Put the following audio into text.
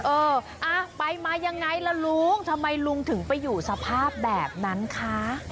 เอออ่ะไปมายังไงล่ะลุงทำไมลุงถึงไปอยู่สภาพแบบนั้นคะ